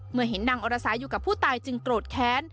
เห็นนางอรสาอยู่กับผู้ตายจึงโกรธแค้น